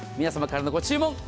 皆様からのご注文